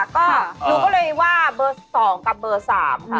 ก็หนูก็เลยว่าเบอร์๒กับเบอร์๓ค่ะ